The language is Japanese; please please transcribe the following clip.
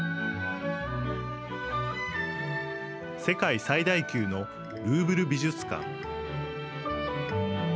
世界最大級のルーブル美術館。